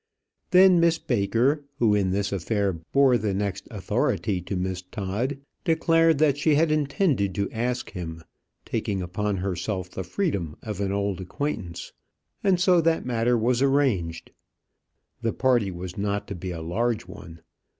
Then Miss Baker, who in this affair bore the next authority to Miss Todd, declared that she had intended to ask him, taking upon herself the freedom of an old acquaintance; and so that matter was arranged. The party was not to be a large one.